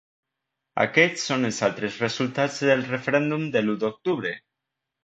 Aquests són els altres resultats del referèndum de l’u d’octubre.